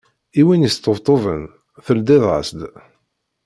I win yesṭebṭuben, tleddi-as-d.